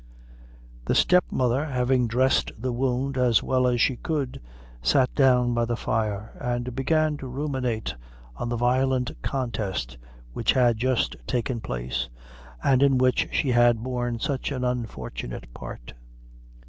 The step mother having dressed the wound as well as she could, sat down by the fire and began to ruminate on the violent contest which had just taken place, and in which she had borne such an unfortunate part.